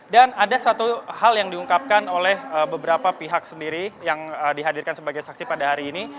dan ada satu hal yang diungkapkan oleh beberapa pihak sendiri yang dihadirkan sebagai saksi pada hari ini